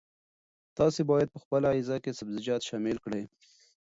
تاسي باید په خپله غذا کې سبزیجات شامل کړئ.